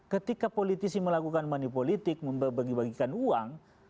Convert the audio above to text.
ketika politisi melakukan money politik membagi bagikan uang